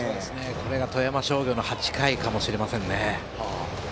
これが富山商業の８回かもしれませんね。